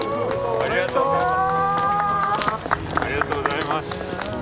ありがとうございます。